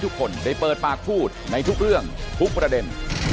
ทุกคนได้เปิดปากพูดในทุกเรื่องทุกประเด็น